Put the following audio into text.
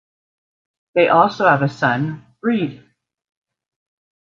They also have a son, Reid.